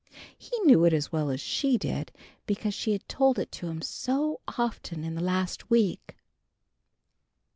He knew it as well as she did, because she had told it to him so often in the last week.